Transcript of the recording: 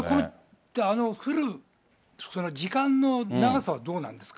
降る時間の長さはどうなんですか。